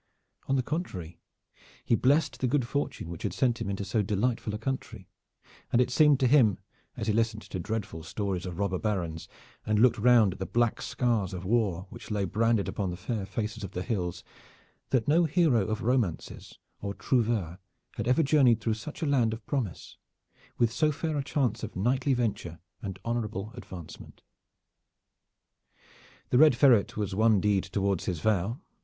On the contrary, he blessed the good fortune which had sent him into so delightful a country, and it seemed to him as he listened to dreadful stories of robber barons, and looked round at the black scars of war which lay branded upon the fair faces of the hills, that no hero of romances or trouveur had ever journeyed through such a land of promise, with so fair a chance of knightly venture and honorable advancement. The Red Ferret was one deed toward his vow.